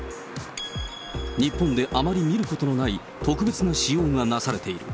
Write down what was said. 日本であまり見ることのない特別な仕様がなされている。